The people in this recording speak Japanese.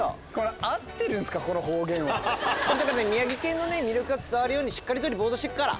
宮城県の魅力が伝わるようにしっかりとリポートしてっから。